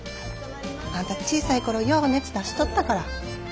あんた小さい頃よう熱出しとったから。